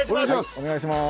お願いします。